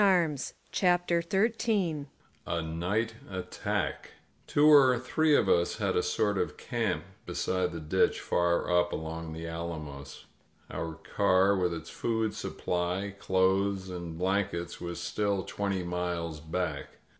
••• CHAPTER XIII A NIGHT ATTACK TWO or three of us had a sort of camp beside the ditch far up along the alamos. Our car, with its food supply, clothes and blankets, was still twenty miles back.